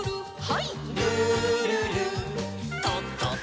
はい。